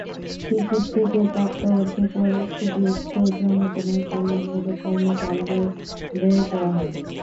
Ticket থেকে প্রাপ্ত অর্থ পরে দুস্থ জনগণের কল্যাণমূলক কর্মকাণ্ডে ব্যয় করা হবে।